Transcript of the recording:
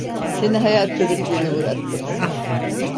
Seni hayal kırıklığına uğrattım.